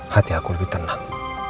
hati aku lebih tenang